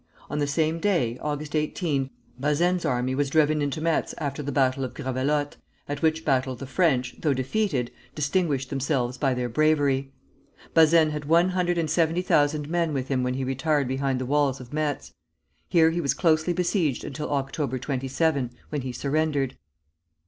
On the same day (August 18) Bazaine's army was driven into Metz after the battle of Gravelotte, at which battle the French, though defeated, distinguished themselves by their bravery. Bazaine had one hundred and seventy thousand men with him when he retired behind the walls of Metz. Here he was closely besieged till October 27, when he surrendered.